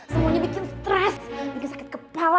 semuanya bikin stres bikin sakit kepala